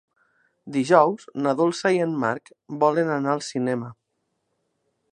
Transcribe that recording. Dijous na Dolça i en Marc volen anar al cinema.